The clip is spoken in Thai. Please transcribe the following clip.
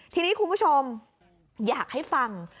ทีนี้คุณผู้ชมอยากให้ฟัง